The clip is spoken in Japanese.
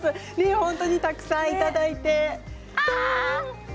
本当にたくさんいただいて。